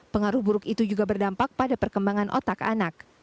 pengaruh buruk itu juga berdampak pada perkembangan otak anak